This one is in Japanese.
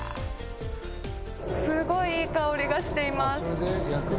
すごくいい香りがしています。